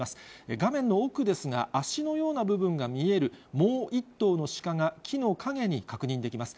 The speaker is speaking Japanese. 画面の奥ですが、足のような部分が見えるもう１頭のシカが、木の陰に確認できます。